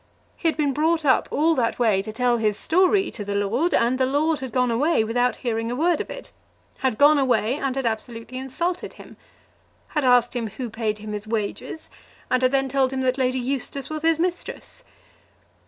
He had been brought up all that way to tell his story to the lord, and the lord had gone away without hearing a word of it, had gone away and had absolutely insulted him, had asked him who paid him his wages, and had then told him that Lady Eustace was his mistress.